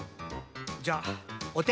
じゃおて。